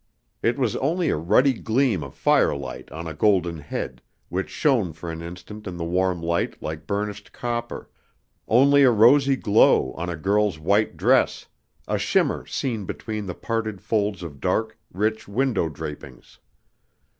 It was only a ruddy gleam of firelight on a golden head, which shone for an instant in the warm light like burnished copper; only a rosy glow on a girl's white dress, a shimmer seen between the parted folds of dark, rich window drapings.